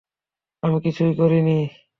আমি কিছুই করিনি।